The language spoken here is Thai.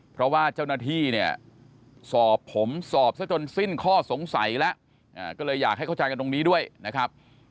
เพราะว่าเจ้าหน้าที่เนี่ยสอบผมสอบซะจนสิ้นข้อสงสัยแล้วก็เลยอยากให้เข้าใจกันตรงนี้ด้วยนะครับ